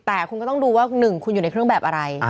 แต่คุณก็ต้องดูว่า๑คุณอยู่ในเครื่องแบบอะไร